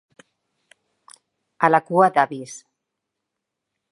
A la cua d’avis.